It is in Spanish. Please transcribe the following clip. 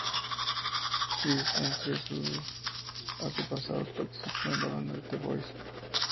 Chris en sus antepasados participó en la banda The Boys.